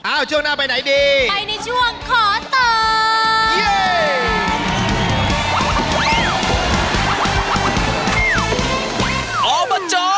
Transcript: ช่วงหน้าไปไหนดีไปในช่วงขอต่อเย่